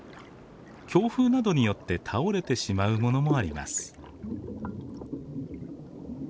強風などによって倒れてしまうものもあります。